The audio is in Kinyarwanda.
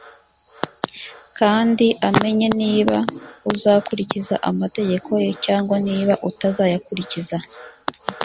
kandi amenye niba uzakurikiza amategeko ye cyangwa niba utazayakurikiza.